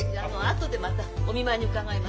後でまたお見舞いに伺います。